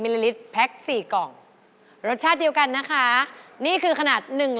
รสชาติเดียวกันนะคะ